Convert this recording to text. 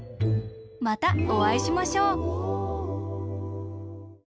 またおあいしましょう。